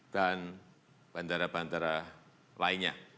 dan bandara bandara lainnya